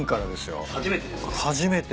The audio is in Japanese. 初めて。